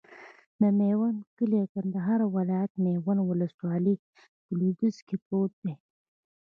د میوند کلی د کندهار ولایت، میوند ولسوالي په لویدیځ کې پروت دی.